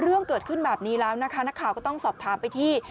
เรื่องเกิดขึ้นแบบนี้แล้วนะคะนักข่าวก็ต้องสอบถามไปที่